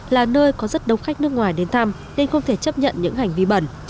là nơi có rất đông khách nước ngoài đến thăm nên không thể chấp nhận những hành vi bẩn